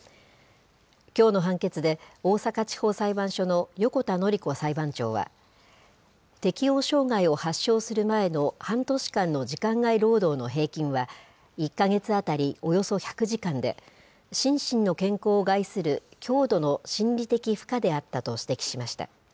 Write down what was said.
きょうの判決で、大阪地方裁判所の横田典子裁判長は、適応障害を発症する前の半年間の時間外労働の平均は１か月当たりおよそ１００時間で、心身の健康を害する強度の心理的負荷であったと指摘しました。